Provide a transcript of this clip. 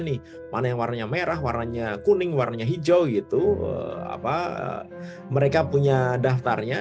nih mana yang warnanya merah warnanya kuning warnanya hijau gitu apa mereka punya daftarnya